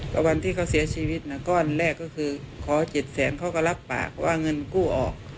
วันที่เขาเสียชีวิตนะก้อนแรกก็คือขอ๗แสนเขาก็รับปากว่าเงินกู้ออก